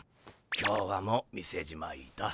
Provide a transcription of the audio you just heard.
今日はもう店じまいだ。